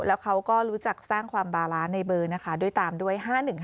แล้วเขาก็รู้จักสร้างความบาลานในเบอร์นะคะด้วยตามด้วย๕๑๕